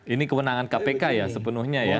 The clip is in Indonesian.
ini kewenangan kpk ya sepenuhnya ya